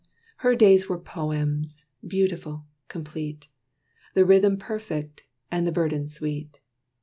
Her days were poems, beautiful, complete. The rhythm perfect, and the burden sweet.